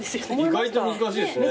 意外と難しいですね。